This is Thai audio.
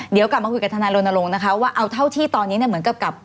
เดี๋ยวกลับมาคุยกับทนายรณรงค์นะคะว่าเอาเท่าที่ตอนนี้เนี่ยเหมือนกับกับ